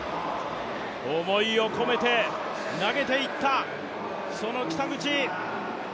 思いを込めて投げていった、その北口。